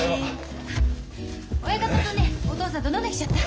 親方とねお父さんと飲んできちゃった。